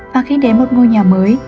và khi đến một ngôi nhà mới